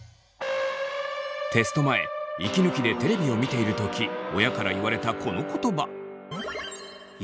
テスト前息抜きでテレビを見ている時親から言われたこの言葉。